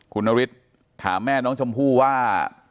คุณนฤทธิ์ถามแม่น้องชมพู่ว่า